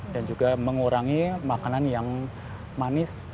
dan juga mengurangi makanan yang manis